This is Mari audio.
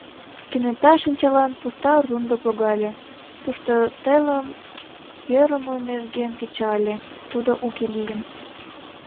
Кенета шинчалан пуста рундык логале: тушто телым йӧрымӧ межгем кеча ыле — тудо уке лийын...